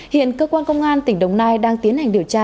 hiện cơ quan công an tỉnh đồng nai đang tiến hành điều tra